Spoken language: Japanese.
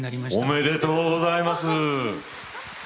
おめでとうございます。